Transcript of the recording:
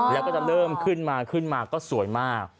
แล้วก็จะเริ่มขึ้นมาขึ้นมาก็สวยมาก